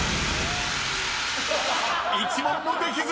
［１問もできず！］